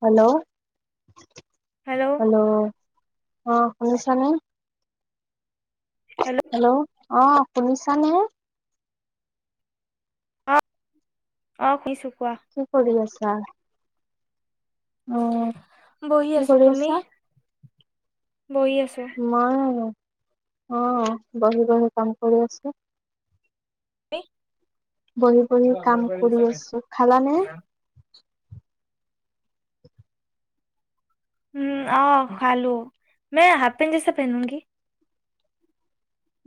Hello! Hello! অ' শুনিছা নে? হেল্ল'! অ' শুনিছা নে? অ' অঁ শুনিছো, কোৱা। কি কৰি আছা? উম বহি কি আছো, কৰি তুমি? আছা বহি আছে। মই অ' বহি বহি কাম কৰি আছোঁ। কি? বহি বহি কাম কৰি আছো। খালানে? উম অ' খালো।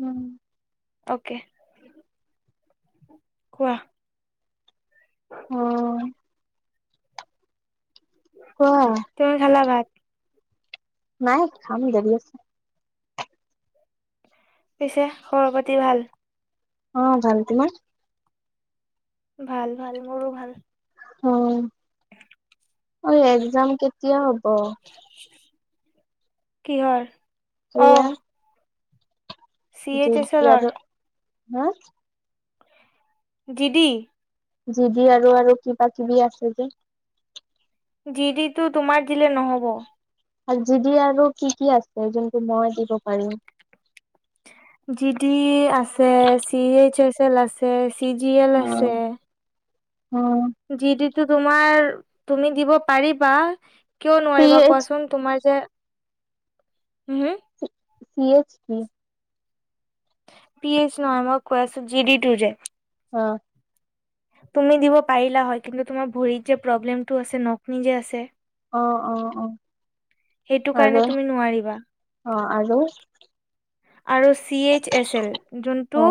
উম। অকে। কোৱা? অ' কোৱা? কিহে খালা ভাত? নাই, খাম দেৰি আছে। পিছে খবৰ পাতি ভাল? অ ভাল তোমাৰ? ভাল ভাল মোৰো ভাল। অ', ঐ এক্সাম কেতিয়া হব? কিহৰ? অ এয়া চি এইচ এছ এলৰ জিজ্ঞাদৰ, হা? G D? জি দি আৰু আৰু কিবা কিবি আছে যে? জি ডিটো তোমাৰ দিলে নহ'ব। আৰু জি দি আৰু কি কি আছে, যোনটো মই দিব পাৰিম? জি ডি আছে, চি এইচ এচ এল আছে, চি জি এল অ আছে। অ। জি ডিটো তোমাৰ তুমি দিব পাৰিবা, কিয় চি নোৱাৰিবা এইচ কোৱাচোন? তোমাৰ যে হম' হম'। চি এচ কি? পি এইচ নহয়, মই কৈ আছো জি ডি টু যে। অ। তুমি দিব পাৰিলা হয়, কিন্তু তোমাৰ ভৰিত যে প্ৰব্লেমটো আছে নকনি যে আছে। অ'অ' অ'। সেইটো আৰু কাৰণে তুমি নোৱাৰিবা। অ' আৰু? আৰু চি এইচ এছ এল অ যোনটো।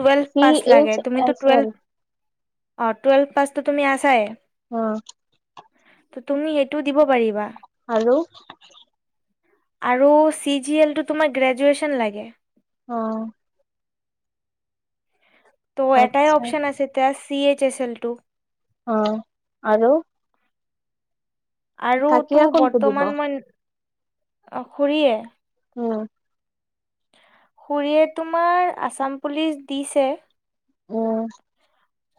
টুৱেলভ চি পাছ এইচ লাগে, তুমিতো এছ এল টুৱেলভ অ' টুৱেলভ পাছতো তুমি আছাই। অ'। ত' তুমি সেইটোও দিব পাৰিবা। আৰু? আৰু চি জি এলটো তোমাৰ গ্ৰেজুৱেচন লাগে। অ'। ত' এটাই আচ্ছা অপশচন আছে, চি এইচ এছ এল টো। অ' আৰু? আৰু তো কাকিয়া কোনটো দিব বৰ্তমান মই অ' খুৰীয়ে। অ'। খুৰীয়ে তোমাৰ আছাম পুলিচ দিছে। উম'।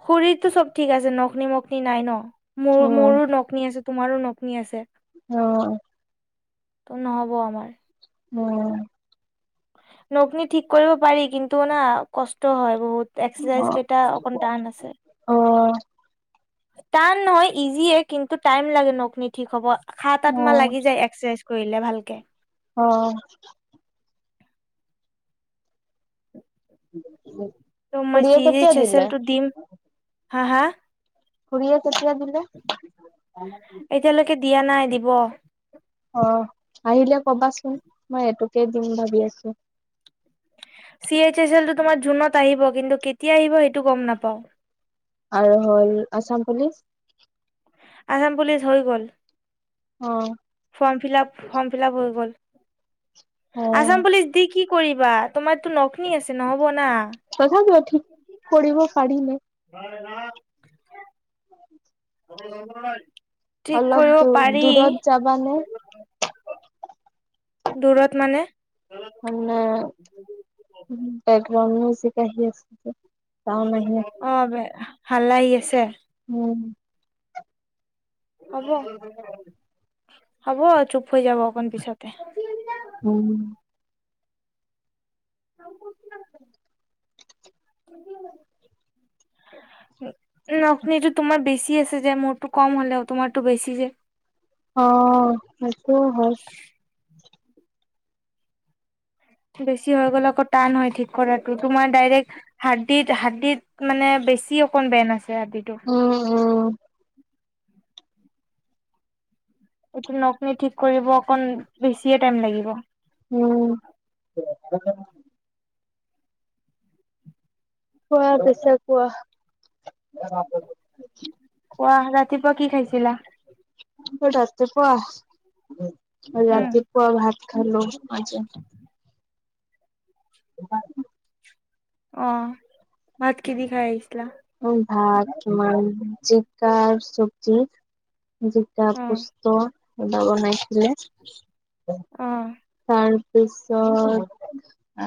খুৰীৰটো চব ঠিক আছে, নখনি-মখনি নাই ন, মোৰ উম মোৰো নকনি আছে। তোমাৰো নকনি আছে। অ, ত, নহ'ব আমাৰ। উম, নকনি ঠিক কৰিব পাৰি, কিন্তু মানে কষ্ট হয় বহুত। উম অ এক্সাৰচাইজ কেইটা, অকণ টান আছে। অ টান নহয় ইজিয়ে কিন্তু টাইম লাগে, নখনি ঠিক হ'ব সাত আঠ অ মাহ লাগি যায় এক এক্সাৰচাইজ কৰিলে ভালকে। অ, [inaudible] ত, মই, খুৰীয়ে চি, কেতিয়া এইচ, এছ, দিলে এলটো দিম হা, হা, খুৰীয়ে কেতিয়াই দিলে? এতিয়ালৈকে দিয়া নাই, দিব। অ, আহিলে কবাচোন, মই এইটোকে দিম ভাবি আছো। চি, এইচ, এছ, এলটো তোমাৰ জুনত আহিব, কিন্তু কেতিয়া আহিব সেইটো গম নাপাওঁ। আৰু হ'ল আছাম পুলিচ। আছাম পুলিচ হৈ গ'ল। অ, ফৰ্ম ফিলআপ, ফৰ্ম ফিলআপ, হৈ গ'ল অ আছাম পুলিচ দি কি কৰিবা, তোমাৰতো নকৰি আছে, নহ'ব না। তথাপিও ঠিক কৰিব পাৰিলে [unintelligible] [inaudible] ঠিক অলপ কৰিব দূ পাৰি। দূৰত যাবানে দূৰত মানে। মানে, বেকগ্ৰাউণ্ড মউজিক, আহি আছিলে ছাউণ্ড আহি আছে। অ, বে, হাল্লা আহি আছে। উম, হ'ব, হ'ব, চুপ হৈ যাব অকণমান পিছতে। উম, [inaudible] উ, নখ খিনিটো তোমাৰ বেছি আছে যে, মোৰতো কম হ'লেও তোমাৰটো বেছি যে। অ, সেইটোও হয়। বেছি হৈ গ'লে আকৌ টান হয়, ঠিক কৰাটো তোমাৰ ডাইৰেক্ট। হাদ্দীত, হাদ্দীত, মানে বেছি অকন বেন্ড আছে হাদ্দীতো। উম, উম, এইটো নখ খিনি ঠিক কৰিব, অকন বেছিয়ে টাইম লাগিব। উম, [inaudible] কোৱা, পিছে কোৱা। কোৱা, ৰাতিপুৱা কি খাইছিলা? মই ৰাতিপুৱা উম ৰাতিপুৱা ভাত খালো, আচ্ছা [inaudible] অ, ভাত কি দি খাই আহিছিলা? মই ভাত তোমাৰ, জিকাৰ চব্জি। জিকা অ', পোস্ত [inaudible] বনাইছিলে। অহ। তাৰপিছত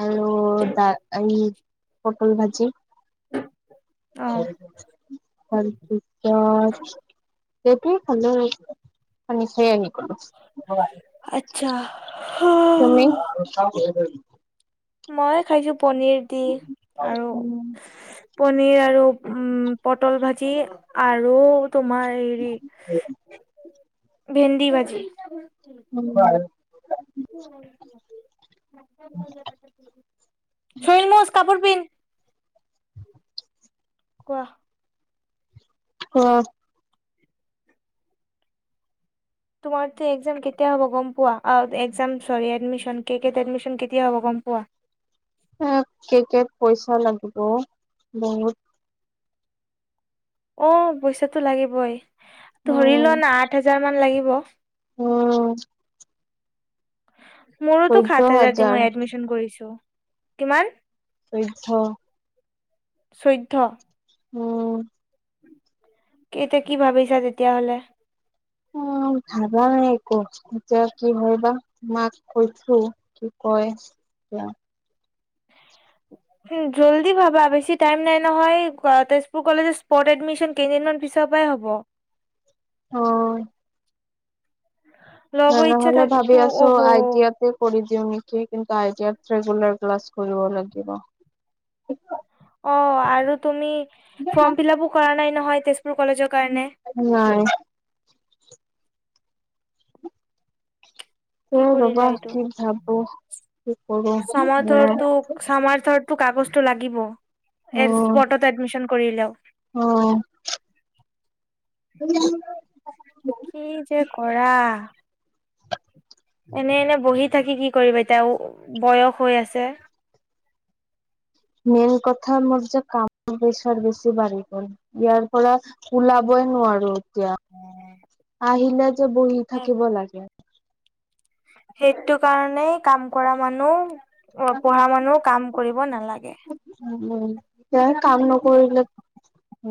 আৰু দা এই পটল ভাজি। অ', তাৰপিছত সেইটোৱে খালো আৰু [inaudible] আচ্ছা। তুমি? [inaudible] মই খাইছো পনিৰ দি আৰু পনিৰ আৰু উম পটল ভাজি আৰু তোমাৰ হেৰি ভেন্দি ভাজি। [inaudible] [unintelligible] হেৰি মুচ কাপোৰ পিন্ধ। কোৱা? অ তোমাৰতো কি একজাম কেতিয়া হ'ব গম পোৱা, আ একজাম ছৰী এডমিশন কে কে ত এডিমশন কেতিয়া হ'ব গম পোৱা? আত কে কে ত পইচা লাগিব বহুত। অ পইচাটো লাগিবই ধৰি উম লোৱা না আঠ হাজাৰ মান লাগিব। অহ। মোৰোতো সাত হাজাৰ দি মই এডমিশন কৰিছো। কিমান? চৈধ্য। চৈধ্য? উম। কে এতিয়া কি ভাবিছা তেতিয়া হ'লে? মই ভাবা নাই একো এতিয়া কি হয় বা মাক কৈছো। কি কয় লা। জল্দি ভাবা বেছি টাইম নাই নহয় তেজপুৰ আ কলেজেত স্পট এডমিশন কেইদিনমান পিছৰ পৰাই হ'ব। অহ। ল'ব তেনে ইচ্ছা হ'লে থাকে ভাবি তো আছো অহ আই টি আই কৰি দিওঁনি। তে কিন্তু আই টি আইত ৰেগুলাৰ ক্লাচ কৰিব লাগিব। অ আৰু তুমি ফৰ্ম ফিলাপো কৰা নাই নহয় তেজপুৰ কলেজৰ কাৰণে। নাই। এ কি ৰবা কৰিলা এইটো, কি ভাবো কি কৰো মানে চামাৰথৰ তো চামাৰথৰ তটো কাগজটো লাগিব এ উম স্পৰ্টত এডমিশন কৰিলেও। অ। [inaudible] কি যে কৰা। এনে এনে বহি থাকি কি কৰিবা এতিয়া বয়স হৈ আছে। মেইন কথা মোৰ যে কামৰ পেছাৰ বেছি বাঢ়ি গল। ইয়াৰ পৰা ওলাবই নোৱাৰো। এতিয়া আহিলে যে বহি থাকিব লা সেইটো কাৰণে কাম কৰা মানুহ অ পঢ়া মানুহ কাম কৰিব নালাগে। উ উম কে কাম নকৰিলে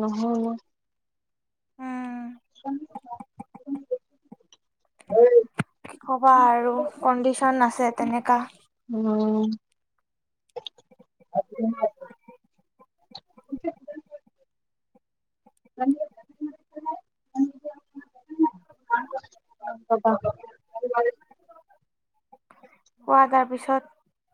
নহয়। উম কি কবা আৰু কণ্ডিশন আছে তেনেকা। উম। [unintelligible] [unintelligible] [unintelligible] কোৱা তাৰ পিছত।